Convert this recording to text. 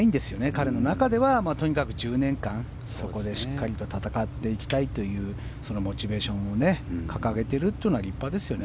彼の中ではとにかく１０年間そこでしっかり戦っていきたいモチベーションを掲げているのは立派ですよね。